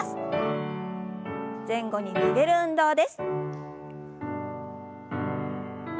前後に曲げる運動です。